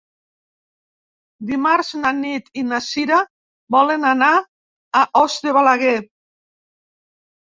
Dimarts na Nit i na Sira volen anar a Os de Balaguer.